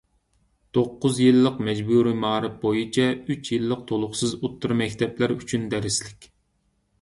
توققۇز يىللىق مەجبۇرىي مائارىپ بويىچە ئۈچ يىللىق تولۇقسىز ئوتتۇرا مەكتەپلەر ئۈچۈن دەرسلىك